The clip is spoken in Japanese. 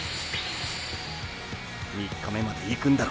３日目までいくんだろ。